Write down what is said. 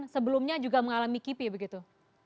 sebelumnya juga mengalami kipi begitu